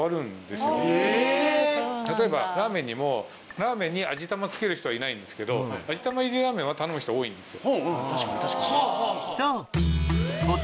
例えばラーメンにもラーメンに味玉付ける人はいないんですけど味玉入りラーメンは頼む人多いんですよ。